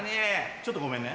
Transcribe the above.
ちょっとごめんね？